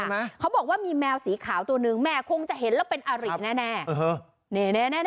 ใช่ไหมเขาบอกว่ามีแมวสีขาวตัวหนึ่งแม่คงจะเห็นแล้วเป็นอาริแน่แน่นี่แน่แน่